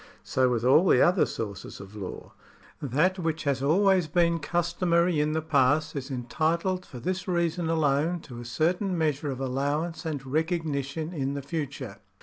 So with all the other sources of law. That which has always been customary in the past is entitled for this reason alone to a certain measure of allowance and recognition in the future.